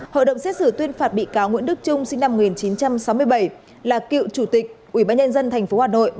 hội đồng xét xử tuyên phạt bị cáo nguyễn đức trung sinh năm một nghìn chín trăm sáu mươi bảy là cựu chủ tịch ubnd tp hà nội